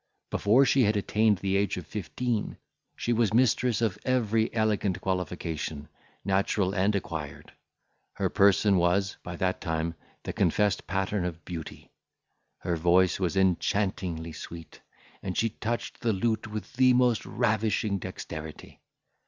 Before she had attained the age of fifteen, she was mistress of every elegant qualification, natural and acquired. Her person was, by that time, the confessed pattern of beauty. Her voice was enchantingly sweet, and she touched the lute with the most ravishing dexterity.